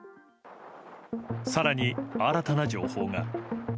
更に、新たな情報が。